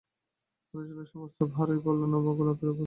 অনুষ্ঠানের সমস্ত ভারই পড়ল নবগোপালের উপর।